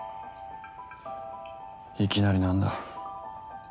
いきなり何だ？